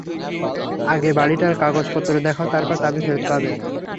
আগে বাড়িটার কাগজ পত্র দেখাও, তারপর চাবি ফেরত দেব।